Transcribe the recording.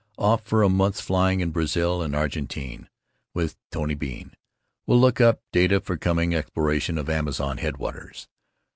Off for a month's flying in Brazil and Argentine, with Tony Bean. Will look up data for coming exploration of Amazon headwaters.